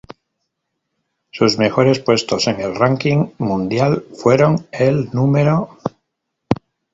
Sus mejores puestos en el ranking mundial fueron el Núm.